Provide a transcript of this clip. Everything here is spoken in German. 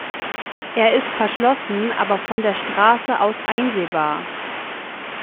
Er ist verschlossen, aber von der Straße aus einsehbar.